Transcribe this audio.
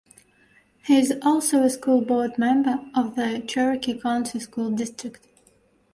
He is also a school board member of the Cherokee County School District.